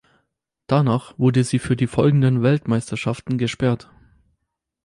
Danach wurde sie für die folgenden Weltmeisterschaften gesperrt.